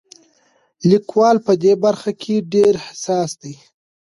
لیکوال په دې برخه کې ډېر حساس دی.